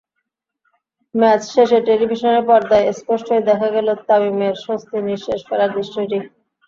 Match শেষে টেলিভিশনের পর্দায় স্পষ্টই দেখা গেল তামিমের স্বস্তির নিঃশ্বাস ফেলার দৃশ্যটি।